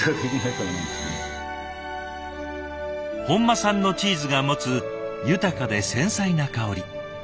本間さんのチーズが持つ豊かで繊細な香り。